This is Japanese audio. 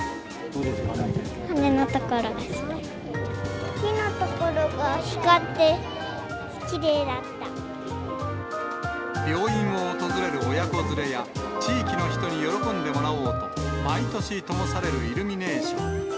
木の所が光って、きれいだっ病院を訪れる親子連れや、地域の人に喜んでもらおうと、毎年ともされるイルミネーション。